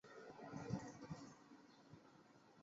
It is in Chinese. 所属的相扑部屋是出羽海部屋。